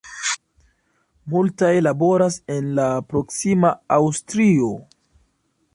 Multaj laboras en la proksima Aŭstrio.